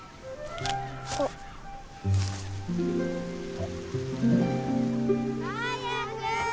あっ。早く！